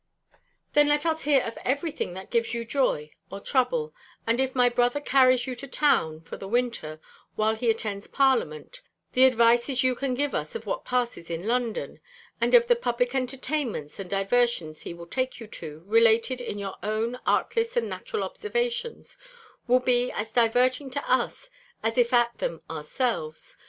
Then let us hear of every thing that gives you joy or trouble: and if my brother carries you to town, for the winter, while he attends parliament, the advices you can give us of what passes in London, and of the public entertainments and diversions he will take you to, related in your own artless and natural observations, will be as diverting to us, as if at them ourselves.